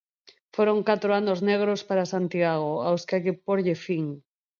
Foron catro anos negros para Santiago aos que hai que pórlle fin.